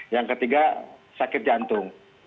yang ketiga sakit jantung